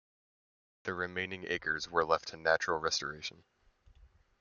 The remaining acres were left to natural restoration.